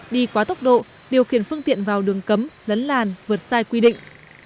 đi quá tốc độ điều khiển phương tiện vào đường cấm lấn làn vượt sai quy định